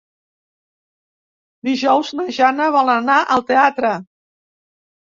Dijous na Jana vol anar al teatre.